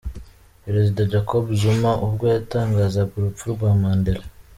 Perezida Jacob Zuma ubwo yatangazaga urupfu rwa Mandela.